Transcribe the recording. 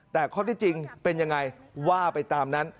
แต่ข้อที่จริงเป็นยังไงว่าไปตามนั้น